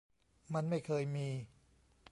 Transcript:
มันไม่เคยมี